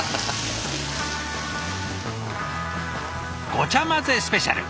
ごちゃまぜスペシャル。